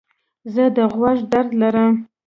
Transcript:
زه د غوږ درد لرم.